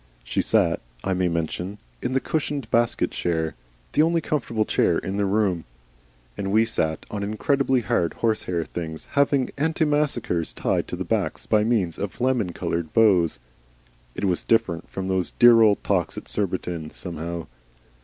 She sat, I may mention, in the cushioned basket chair, the only comfortable chair in the room, and we sat on incredibly hard, horsehair things having antimacassars tied to their backs by means of lemon coloured bows. It was different from those dear old talks at Surbiton, somehow.